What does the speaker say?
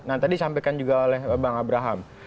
nah tadi sampaikan juga oleh bang abraham